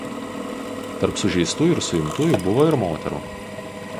Tarp sužeistųjų ir suimtųjų buvo ir moterų.